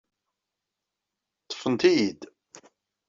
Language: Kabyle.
Ḍḍfent-iyi-d.